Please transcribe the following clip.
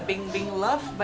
salah yang paling bahagia